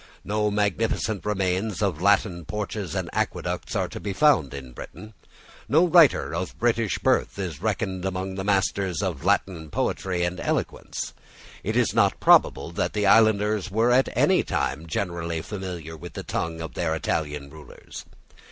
No magnificent remains of Latin porches and aqueducts are to be found in Britain. No writer of British birth is reckoned among the masters of Latin poetry and eloquence. It is not probable that the islanders were at any time generally familiar with the tongue of their Italian rulers.